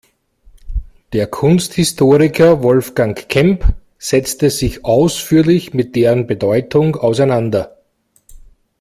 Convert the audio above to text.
Der Kunsthistoriker Wolfgang Kemp setzte sich ausführlich mit deren Bedeutung auseinander.